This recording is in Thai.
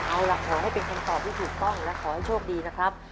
เอาล่ะขอให้เป็นคำตอบที่ถูกต้องและขอให้โชคดีนะครับ